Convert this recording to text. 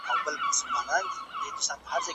پوهان د ټولنې په اصلاح کي رول لري.